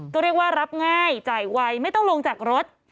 ก็เรียกว่ารับง่ายจ่ายไวไม่ต้องลงจากรถ